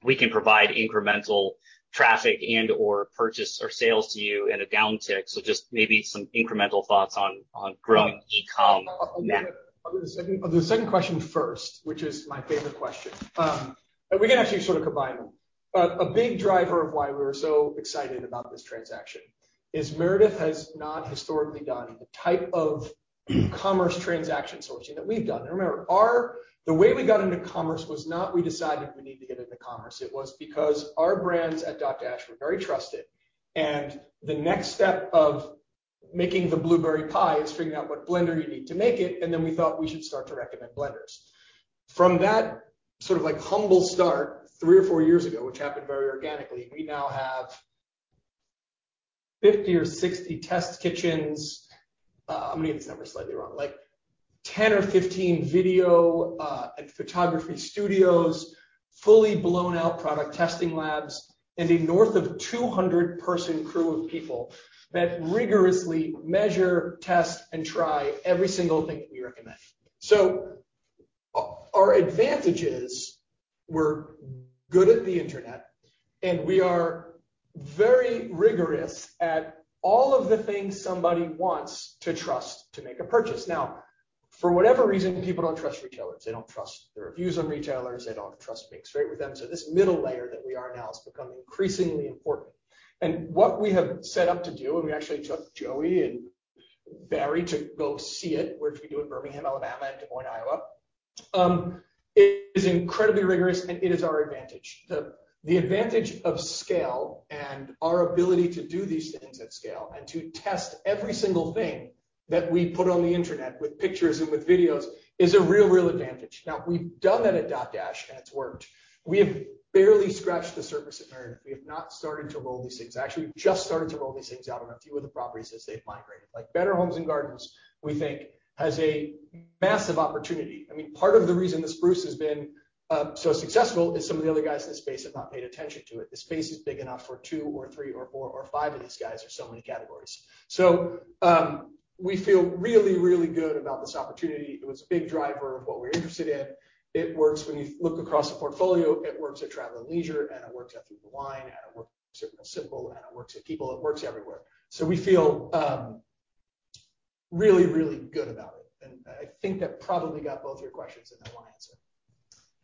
we can provide incremental traffic and/or purchase or sales to you in a downtick." Just maybe some incremental thoughts on growing e-com now. I'll do the 2nd question 1st, which is my favorite question. We can actually sort of combine them. A big driver of why we were so excited about this transaction is Meredith has not historically done the type of commerce transaction sourcing that we've done. Remember, the way we got into commerce was not we decided we need to get into commerce. It was because our brands at Dotdash were very trusted, and the next step of making the blueberry pie is figuring out what blender you need to make it, and then we thought we should start to recommend blenders. From that sort of like humble start three or four years ago, which happened very organically, we now have 50 or 60 test kitchens. I may get these numbers slightly wrong. Like 10 or 15 video and photography studios, fully blown out product testing labs, and a north of 200 person crew of people that rigorously measure, test, and try every single thing that we recommend. Our advantage is we're good at the internet, and we are very rigorous at all of the things somebody wants to trust to make a purchase. Now, for whatever reason, people don't trust retailers. They don't trust the reviews on retailers. They don't trust being straight with them. This middle layer that we are now has become increasingly important. What we have set up to do, and we actually took Joey and Barry to go see it, which we do in Birmingham, Alabama, and Des Moines, Iowa, is incredibly rigorous, and it is our advantage. The advantage of scale and our ability to do these things at scale and to test every single thing that we put on the internet with pictures and with videos is a real advantage. Now, we've done that at Dotdash, and it's worked. We have barely scratched the surface at Meredith. We have not started to roll these things. Actually, we've just started to roll these things out on a few of the properties as they've migrated. Like Better Homes and Gardens, we think has a massive opportunity. I mean, part of the reason The Spruce has been so successful is some of the other guys in this space have not paid attention to it. The space is big enough for two or three or four or five of these guys, there are so many categories. We feel really good about this opportunity. It was a big driver of what we're interested in. It works when you look across the portfolio. It works at Travel + Leisure, and it works at The Spruce, and it works at Real Simple, and it works at People. It works everywhere. We feel. Really, really good about it. I think that probably got both your questions in that one answer.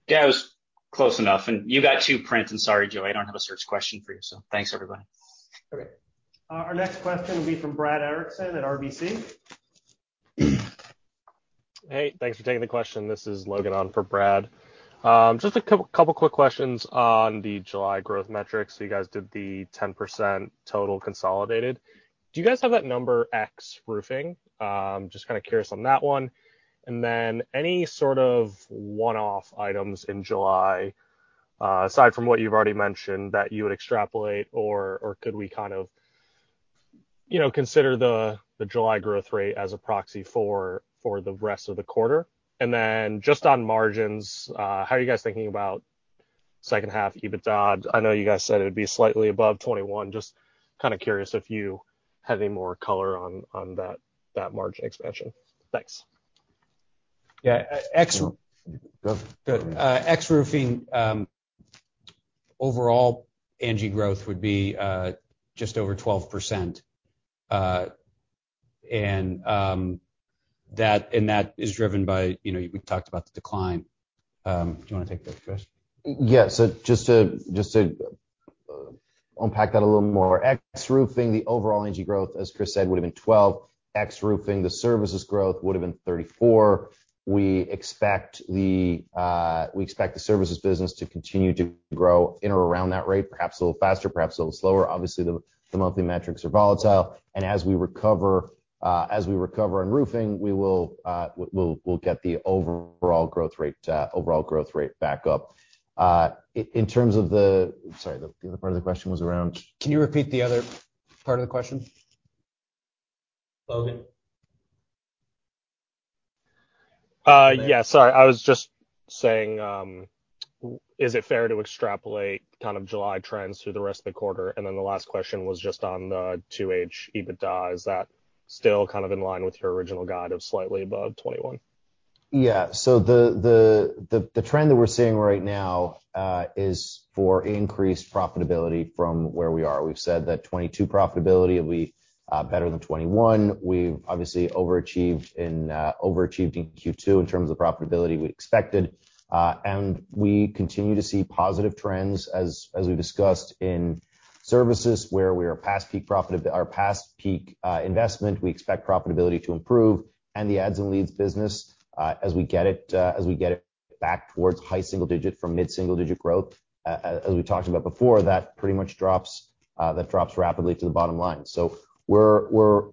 Yeah, it was close enough. You got two, Prince. Sorry, Joey, I don't have a search question for you, so thanks, everybody. Okay. Our next question will be from Brad Erickson at RBC Capital Markets. Hey, thanks for taking the question. This is Logan on for Brad. Just a couple of quick questions on the July growth metrics. So you guys did the 10% total consolidated. Do you guys have that number ex-roofing? Just kinda curious on that one. And then any sort of one-off items in July, aside from what you've already mentioned, that you would extrapolate or could we kind of, you know, consider the July growth rate as a proxy for the rest of the quarter? And then just on margins, how are you guys thinking about 2nd half EBITDA? I know you guys said it would be slightly above 21%. Just kinda curious if you have any more color on that margin expansion. Thanks. Yeah. Go ahead. Good. Ex-roofing, overall Angi growth would be just over 12%. That is driven by, you know, we talked about the decline. Do you wanna take that, Chris? Yeah. Just to unpack that a little more. Excluding roofing, the overall Angi growth, as Chris said, would've been 12%. Excluding roofing, the services growth would've been 34%. We expect the services business to continue to grow in or around that rate, perhaps a little faster, perhaps a little slower. Obviously, the monthly metrics are volatile. As we recover on roofing, we'll get the overall growth rate back up. Sorry, the other part of the question was around? Can you repeat the other part of the question? Logan? I was just saying, is it fair to extrapolate kind of July trends through the rest of the quarter? The last question was just on the 2H EBITDA. Is that still kind of in line with your original guide of slightly above $21? Yeah. The trend that we're seeing right now is for increased profitability from where we are. We've said that 2022 profitability will be better than 2021. We've obviously overachieved in Q2 in terms of the profitability we expected. We continue to see positive trends as we discussed in services where we are past peak investment. We expect profitability to improve. The ads and leads business as we get it back towards high single-digit from mid single-digit growth, as we talked about before, that pretty much drops rapidly to the bottom line. We're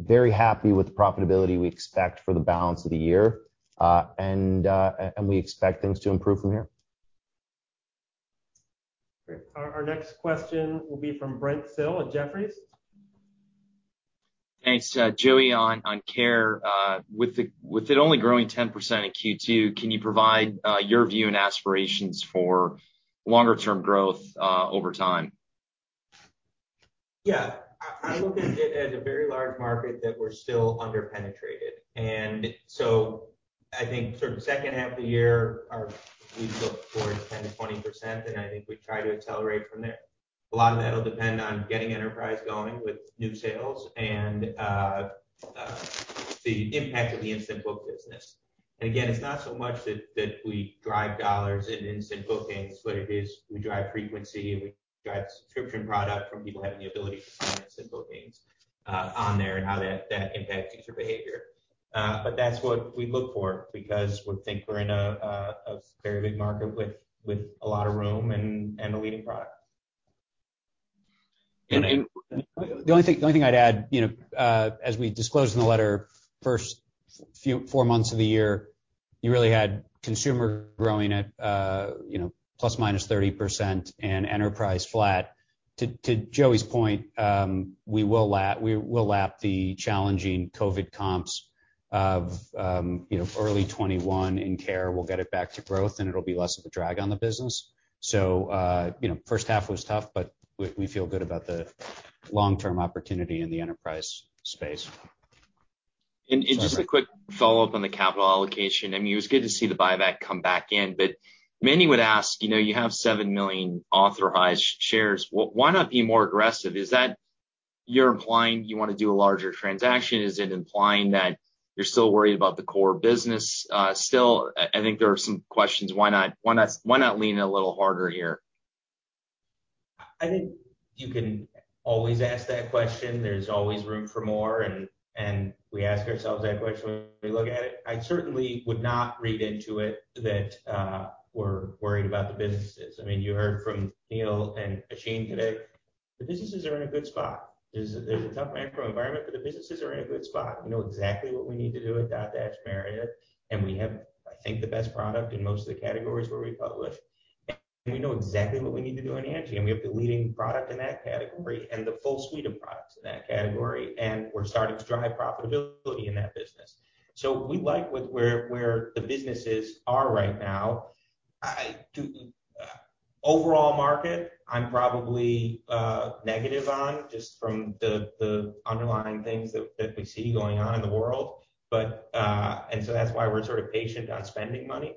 very happy with the profitability we expect for the balance of the year, and we expect things to improve from here. Great. Our next question will be from Brent Thill at Jefferies. Thanks. Joey, on Care, with it only growing 10% in Q2, can you provide your view and aspirations for longer term growth over time? I look at it as a very large market that we're still under-penetrated. I think sort of 2nd half of the year, we look towards 10%-20%, and I think we try to accelerate from there. A lot of that'll depend on getting enterprise going with new sales and the impact of the Instant Book business. It's not so much that we drive dollars in Instant Bookings, but it is we drive frequency, and we drive subscription product from people having the ability to find Instant Bookings on there and how that impacts user behavior. That's what we look for because we think we're in a very big market with a lot of room and a leading product. The only thing I'd add, you know, as we disclosed in the letter, 1st four months of the year, you really had consumer growing at, you know, ±30% and enterprise flat. To Joey's point, we will lap the challenging COVID comps of, you know, early 2021 in Care. We'll get it back to growth, and it'll be less of a drag on the business. You know, 1st half was tough, but we feel good about the long-term opportunity in the enterprise space. Just a quick follow-up on the capital allocation. I mean, it was good to see the buyback come back in, but many would ask, you know, you have 7 million authorized shares. Why not be more aggressive? Is that you're implying you wanna do a larger transaction? Is it implying that you're still worried about the core business? I think there are some questions. Why not lean a little harder here? I think you can always ask that question. There's always room for more, and we ask ourselves that question when we look at it. I certainly would not read into it that we're worried about the businesses. I mean, you heard from Neil and Oisin today. The businesses are in a good spot. There's a tough macro environment, but the businesses are in a good spot. We know exactly what we need to do at Dotdash Meredith, and we have, I think, the best product in most of the categories where we publish. We know exactly what we need to do in Angi, and we have the leading product in that category and the full suite of products in that category, and we're starting to drive profitability in that business. We like where the businesses are right now. Overall market, I'm probably negative on just from the underlying things that we see going on in the world. That's why we're sort of patient on spending money.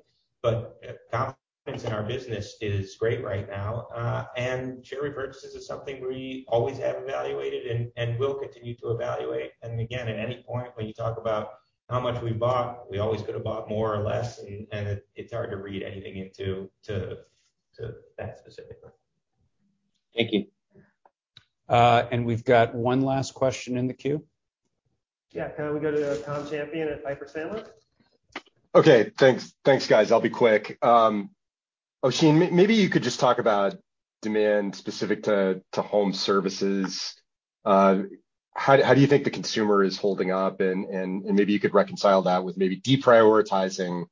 Confidence in our business is great right now. Share repurchases is something we always have evaluated and will continue to evaluate. Again, at any point when you talk about how much we bought, we always could have bought more or less, and it's hard to read anything into that specifically. Thank you. We've got one last question in the queue. Yeah. Can we go to Tom Champion at Piper Sandler? Okay, thanks. Thanks, guys. I'll be quick. Oisin, maybe you could just talk about demand specific to home services. How do you think the consumer is holding up? Maybe you could reconcile that with maybe deprioritizing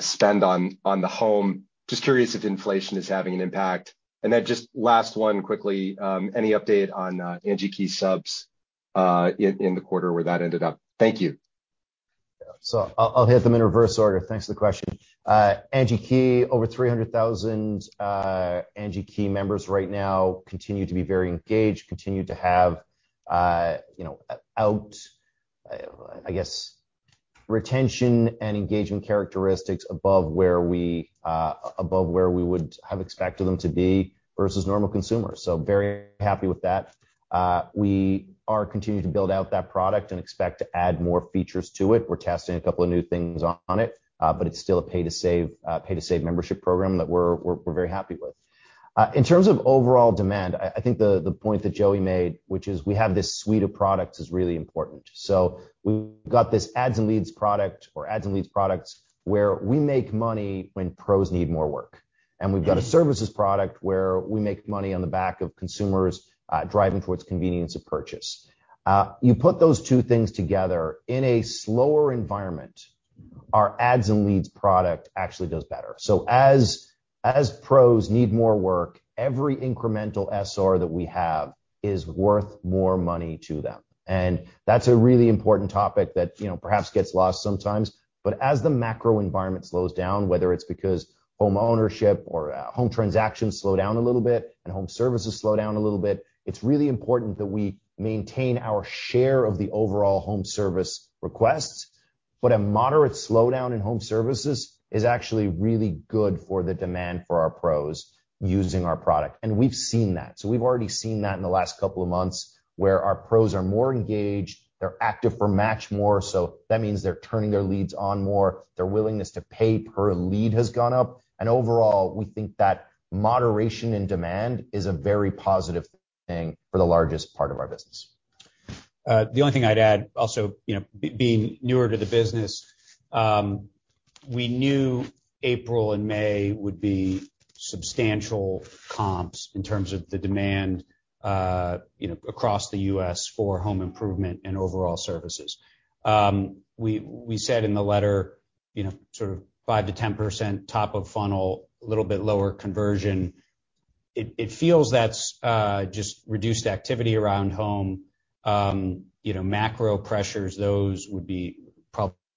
spend on the home. Just curious if inflation is having an impact. Then just last one quickly, any update on Angi Key subs in the quarter where that ended up? Thank you. I'll hit them in reverse order. Thanks for the question. Angi Key, over 300,000 Angi Key members right now continue to be very engaged, continue to have, you know, I guess, retention and engagement characteristics above where we would have expected them to be versus normal consumers. Very happy with that. We are continuing to build out that product and expect to add more features to it. We're testing a couple of new things on it, but it's still a pay to save membership program that we're very happy with. In terms of overall demand, I think the point that Joey made, which is we have this suite of products, is really important. We've got this ads and leads product or ads and leads products where we make money when pros need more work. We've got a services product where we make money on the back of consumers driving towards convenience of purchase. You put those two things together in a slower environment, our ads and leads product actually does better. As pros need more work, every incremental SR that we have is worth more money to them. That's a really important topic that, you know, perhaps gets lost sometimes. As the macro environment slows down, whether it's because homeownership or home transactions slow down a little bit and home services slow down a little bit, it's really important that we maintain our share of the overall home service requests. A moderate slowdown in home services is actually really good for the demand for our pros using our product. We've seen that. We've already seen that in the last couple of months, where our pros are more engaged, they're active for more matches, so that means they're turning their leads on more, their willingness to pay per lead has gone up. Overall, we think that moderation in demand is a very positive thing for the largest part of our business. The only thing I'd add also, you know, being newer to the business, we knew April and May would be substantial comps in terms of the demand, you know, across the U.S. for home improvement and overall services. We said in the letter, you know, sort of 5%-10% top of funnel, a little bit lower conversion. It feels that's just reduced activity around home, you know, macro pressures, those would be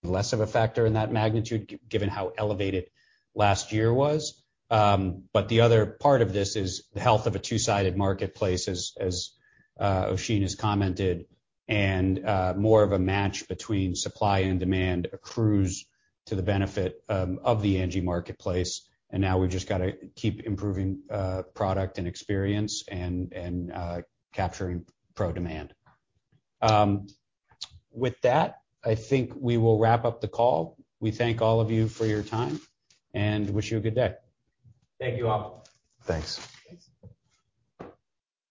probably less of a factor in that magnitude given how elevated last year was. But the other part of this is the health of a two-sided marketplace, as Oisin has commented, and more of a match between supply and demand accrues to the benefit of the Angi marketplace. Now we've just gotta keep improving product and experience and capturing pro demand. With that, I think we will wrap up the call. We thank all of you for your time and wish you a good day. Thank you all. Thanks. Thanks.